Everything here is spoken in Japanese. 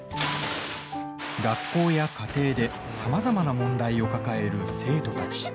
学校や家庭でさまざまな問題を抱える生徒たち。